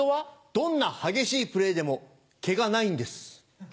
どんな激しいプレーでもケガナイんです。